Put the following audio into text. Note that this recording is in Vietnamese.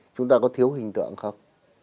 chúng ta có thiếu hình tượng không